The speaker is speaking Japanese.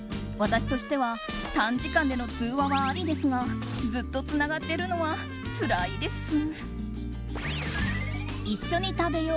私としては短時間での通話はありですがずっとつながってるのはつらいです。